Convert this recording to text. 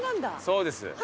そうです。